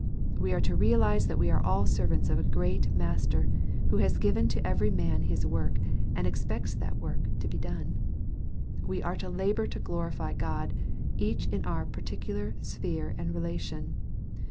We are to realize that we are all servants of a great Master, who has given to every men his work, and expects that work to be done. We are to labor to glorify God, each in our particular sphere and relation.